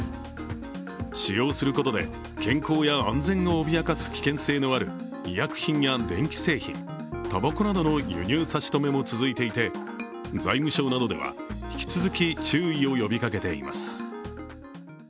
使用することで健康や安全を脅かす危険性のある医薬品や電気製品、たばこなどの輸入差し止めも続いていて財務省などでは、引き続き注意を呼びかけています。